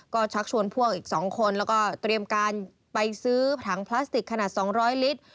ก็ชักชวนพวกอีก๒คนแล้วก็เตรียมการไปซื้อถังพลาสติกขนาด๒๐๐ลิตร